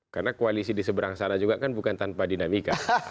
karena koalisi di seberang sana juga kan bukan tanpa dinamika